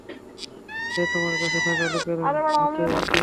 সে তোমার কাছে থাকা লোকের হাতে দিয়েছে।